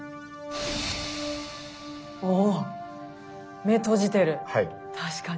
おっ目閉じてる確かに。